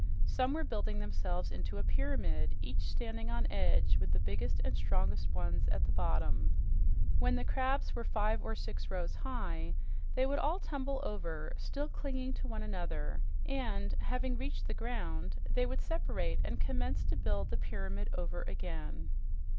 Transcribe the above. Some were building themselves into a pyramid, each standing on edge, with the biggest and strongest ones at the bottom. When the crabs were five or six rows high, they would all tumble over, still clinging to one another and, having reached the ground, they would separate and commence to build the pyramid over again.